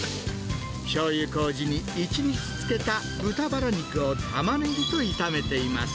しょうゆこうじに１日漬けた豚バラ肉をタマネギと炒めています。